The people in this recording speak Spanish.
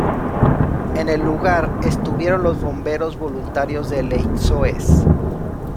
En el lugar, estuvieron los Bomberos Voluntarios de Leixões.